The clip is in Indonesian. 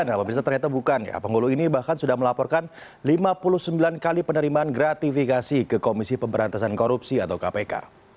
nah pemirsa ternyata bukan ya penghulu ini bahkan sudah melaporkan lima puluh sembilan kali penerimaan gratifikasi ke komisi pemberantasan korupsi atau kpk